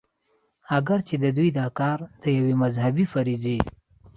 اګر چې د دوي دا کار د يوې مذهبي فريضې